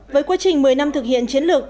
với quá trình một mươi năm thực hiện chiến lược